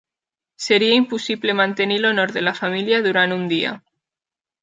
Seria impossible mantenir l'honor de la família durant un dia.